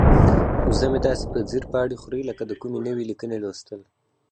وزه مې داسې په ځیر پاڼې خوري لکه د کومې نوې لیکنې لوستل.